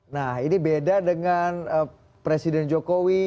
nah ini beda dengan presiden jokowi